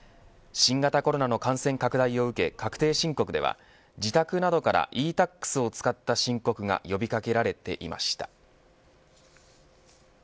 新型コロナの感染拡大を受け確定申告では、自宅などからｅ−Ｔａｘを使った申告が呼び掛けられていました。